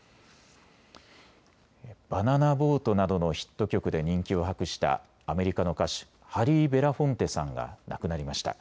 バナナ・ボートなどのヒット曲で人気を博したアメリカの歌手、ハリー・ベラフォンテさんが亡くなりました。